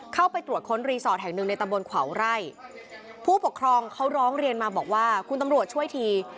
เข้าไปตรวจค้นรีสอร์ทแห่งหนึ่งในตำบลขวาวไร่ผู้ปกครองเขาร้องเรียนมาบอกว่าคุณตำรวจช่วยที